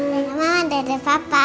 mama dada papa